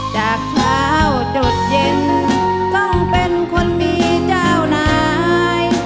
จากเช้าจดเย็นต้องเป็นคนมีเจ้านาย